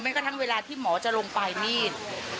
ไม่ก็ทั้งเวลาที่หมอจะลงปลายมีด